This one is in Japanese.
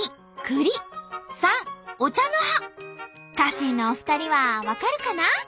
家臣のお二人は分かるかな？